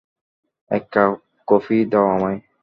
এক cup coffee দাও আমায়।